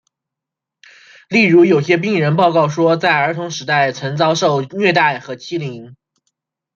例如有些病人报告说在儿童时代曾遭受虐待和欺凌。